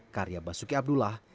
karya basuki abdullah